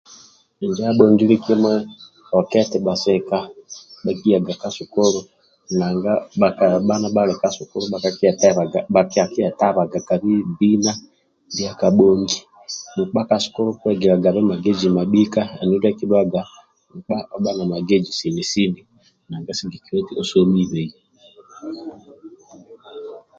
Injo abhongili kimui hoka eti basika bakiyaga ka sukulu nanga bakabha nibhali ka sukulu nanga bakabha ni bhali ka sukulu baka kyetabhaga ka bhibina ndia kabhongi mkpa ka sukulu okuhegilyagabe magezi mabhika andulu ndyakidhuwaga mkpa obha na magezi ma bhika sini sini nanga sigikilya eti osomibhei